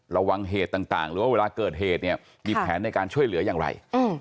ระวังเหตุต่างหรือว่าเวลาเกิดเหตุเนี่ยมีแผนในการช่วยเหลืออย่างไร